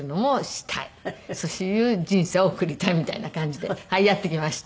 そういう人生を送りたいみたいな感じでやってきました。